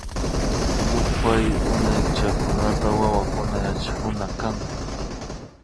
Yupay Unaychakunata wawakunaka yachakunakun